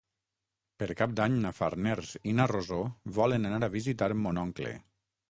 Per Cap d'Any na Farners i na Rosó volen anar a visitar mon oncle.